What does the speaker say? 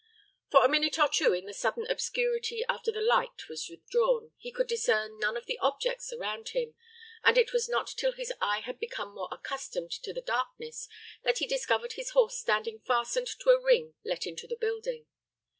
For a minute or two, in the sudden obscurity after the light was withdrawn, he could discern none of the objects around him, and it was not till his eye had become more accustomed to the darkness that he discovered his horse standing fastened to a ring let into the building.